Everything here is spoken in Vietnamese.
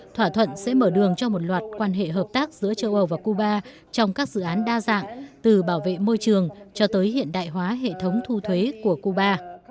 thỏa thuận sẽ mở đường cho một loạt quan hệ hợp tác giữa châu âu và cuba trong các dự án đa dạng từ bảo vệ môi trường cho tới hiện đại hóa hệ thống thu thuế của cuba